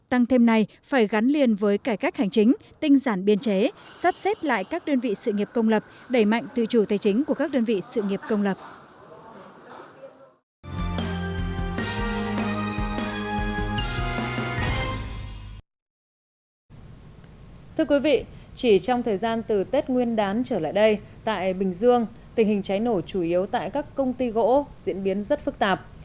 thưa quý vị chỉ trong thời gian từ tết nguyên đán trở lại đây tại bình dương tình hình cháy nổ chủ yếu tại các công ty gỗ diễn biến rất phức tạp